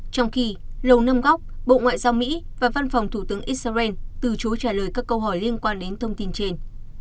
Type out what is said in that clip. trong khi lầu năm góc bộ ngoại giao mỹ và văn phòng thủ tướng israel từ chối trả lời các câu hỏi liên quan đến thông tin trên